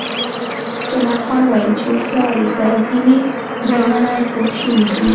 جمال خان وویل چې هوښیار اوسه ځینې جرمنان پوه شوي دي